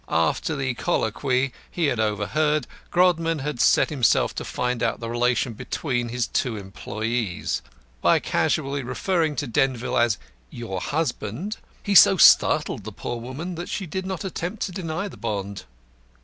After the colloquy he had overheard, Grodman had set himself to find out the relation between his two employees. By casually referring to Denzil as "your husband," he so startled the poor woman that she did not attempt to deny the bond.